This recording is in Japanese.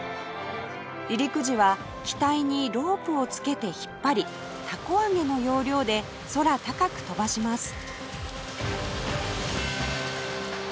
離陸時は機体にロープをつけて引っ張りたこ揚げの要領で空高く飛ばします